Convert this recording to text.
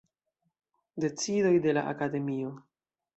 Decidoj de la Akademio.